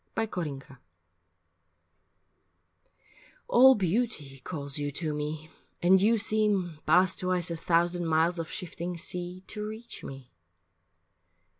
IV FROM THE SEA ALL beauty calls you to me, and you seem, Past twice a thousand miles of shifting sea, To reach me.